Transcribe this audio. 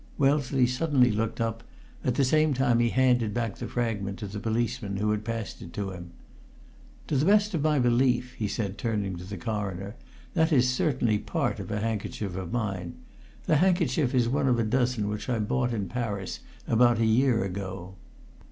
Wellesley suddenly looked up; at the same time he handed back the fragment to the policeman who had passed it to him. "To the best of my belief," he said, turning to the Coroner, "that is certainly part of a handkerchief of mine. The handkerchief is one of a dozen which I bought in Paris about a year ago."